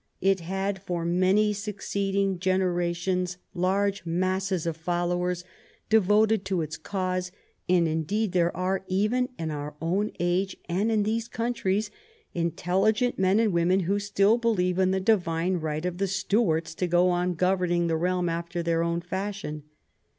It had for many succeed ing generations large masses of followers devoted to its cause, and indeed there are, even in our own age and in these countries, intelligent men and women who still believe in the divine right of the Stuarts to go on governing the realm after their own fashion.